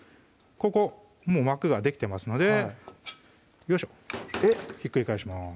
ここもう膜ができてますのでよいしょひっくり返します